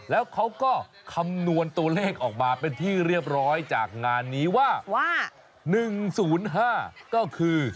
แล้วเขาก็คำนวณตัวเลขออกมาเป็นที่เรียบร้อยจากงานนี้ว่า๑๐๕ก็คือ